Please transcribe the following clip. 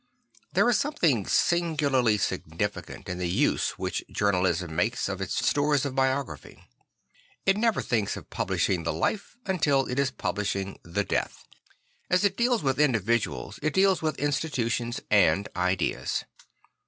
There is something singularly significant in the use which journalism makes of its stores of biography. I t never thinks of publishing the 18 'Ihe IV orld St. Francis Found 19 life until it is publishing the death. As it deals with individuals it deals with institutions and ideas.